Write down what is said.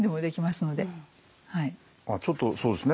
ちょっとそうですね